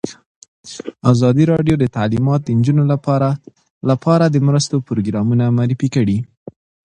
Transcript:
ازادي راډیو د تعلیمات د نجونو لپاره لپاره د مرستو پروګرامونه معرفي کړي.